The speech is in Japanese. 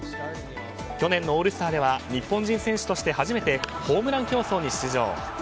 去年のオールスターでは日本人選手として初めてホームラン競争に出場。